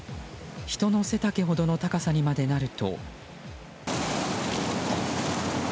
人の背丈ほどの高さまでになると。